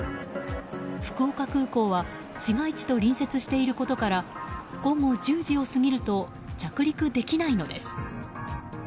福岡空港は市街地と隣接していることから午後１０時を過ぎると着陸できないのです。